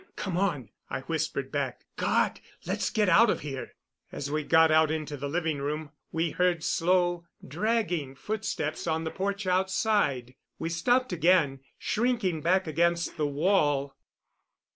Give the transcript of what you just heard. "Come on," I whispered back. "God! Let's get out of here." As we got out into the living room we heard slow, dragging footsteps on the porch outside. We stopped again, shrinking back against the wall.